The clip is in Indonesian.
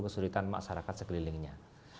kesulitan masyarakat sekelilingnya